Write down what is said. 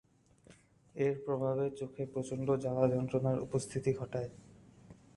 এর প্রভাবে চোখে প্রচণ্ড জ্বালা-যন্ত্রণার উপস্থিতি ঘটায়।